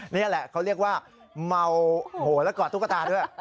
นี่แหละเขาเรียกว่าเมาโหแล้วกอดตุ๊กตาด้วย